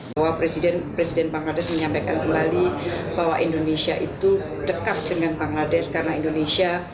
bahwa presiden bangladesh menyampaikan kembali bahwa indonesia itu dekat dengan bangladesh karena indonesia